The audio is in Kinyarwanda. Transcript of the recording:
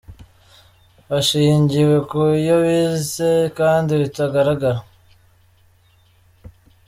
hashingiwe ku yo bize kandi bitagaragara.